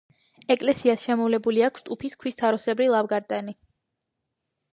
ეკლესიას შემოვლებული აქვს ტუფის ქვის თაროსებრი ლავგარდანი.